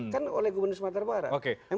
kan oleh gubernur sumatera barat